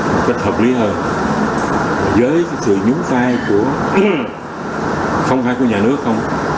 một cách hợp lý hơn với sự nhúng tay của ai không phải của nhà nước không